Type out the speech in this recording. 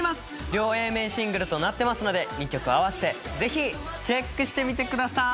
両Ａ面シングルとなってますので２曲合わせてぜひチェックしてみてください